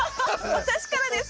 私からですか？